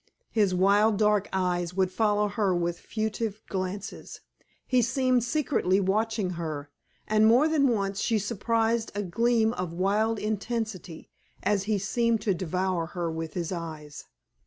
His wild dark eyes would follow her with furtive glances. He seemed secretly watching her, and more than once she surprised a gleam of wild intensity, as he seemed to devour her with his eyes.